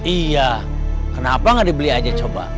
iya kenapa nggak dibeli aja coba